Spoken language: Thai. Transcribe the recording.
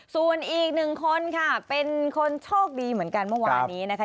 ส่วนอีกหนึ่งคนค่ะเป็นคนโชคดีเหมือนกันเมื่อวานี้นะคะ